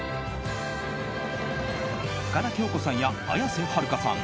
深田恭子さんや綾瀬はるかさん